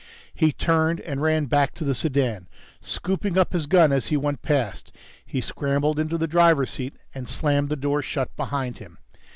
He turned, and ran back to the sedan, scooping up his gun as he went past. He scrambled into the driver's seat and slammed the door shut behind him.